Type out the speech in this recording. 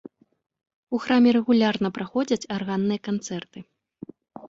У храме рэгулярна праходзяць арганныя канцэрты.